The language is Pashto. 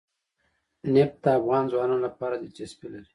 نفت د افغان ځوانانو لپاره دلچسپي لري.